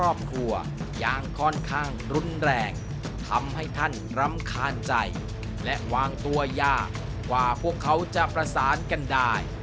ยังค่อนข้างรุนแรงทำให้ท่านรำคาญใจและวางตัวยากกว่าพวกเขาจะประสานกันได้